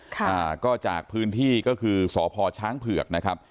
ค่ะอ่าก็จากพื้นที่ก็คือสพช้างเผือกนะครับ